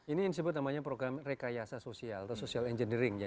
ini yang disebut namanya program rekayasa sosial atau social engineering ya